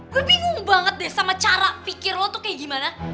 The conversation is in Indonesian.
gue bingung banget deh sama cara pikir lo tuh kayak gimana